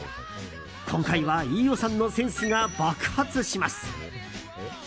今回は、飯尾さんのセンスが爆発します。